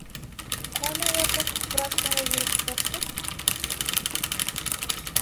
- Ҡана, Яҡуп, фуражкаңды биреп торсо.